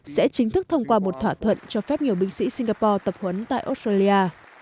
sẽ chính thức thông qua một thỏa thuận cho phép nhiều binh sĩ singapore tập huấn tại australia